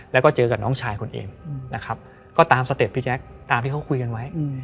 แล้วก็เจอกับน้องชายคุณเองนะครับก็ตามสเต็ปพี่แจ๊คตามที่เขาคุยกันไว้